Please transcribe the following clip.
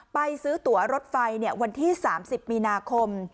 ไปซื้อตัวรถไฟวันที่๓๐มีนาคม